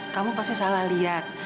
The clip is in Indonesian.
kamu pasti salah lihat